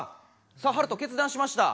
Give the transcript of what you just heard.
さあハルト決断しました。